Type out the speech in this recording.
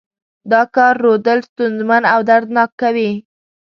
دا کار رودل ستونزمن او دردناک کوي.